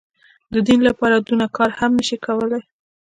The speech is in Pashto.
د دين لپاره دونه کار هم نه سي کولاى.